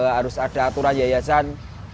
harus ada aturan yayasan